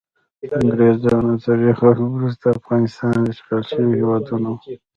د انګریزانو تر یرغل وروسته افغانستان اشغال شوی هیواد نه و.